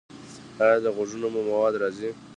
ایا له غوږونو مو مواد راځي؟